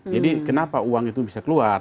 jadi kenapa uang itu bisa keluar